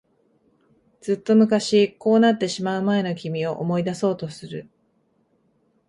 ずっと昔、こうなってしまう前の君を思い出そうとする。